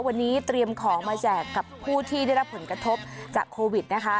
วันนี้เตรียมของมาแจกกับผู้ที่ได้รับผลกระทบจากโควิดนะคะ